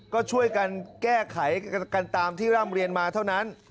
ก็ช่วยกันแก้ไขกันตามที่ร่ำเรียนมาเท่านั้น